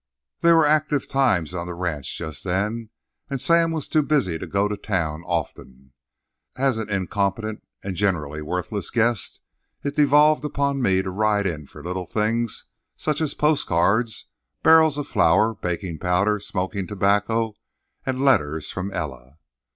There were active times on the ranch, just then, and Sam was too busy to go to town often. As an incompetent and generally worthless guest, it devolved upon me to ride in for little things such as post cards, barrels of flour, baking powder, smoking tobacco, and—letters from Ella.